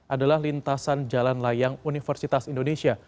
adalah lintasan jalan layang universitas indonesia